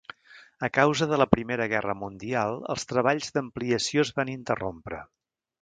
A causa de la Primera Guerra Mundial els treballs d'ampliació es van interrompre.